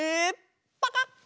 パカッ！